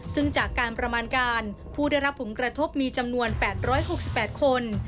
ซึ่งจากการประมาณการผู้ได้รับผลกระทบมีจำนวน๘๖๘คน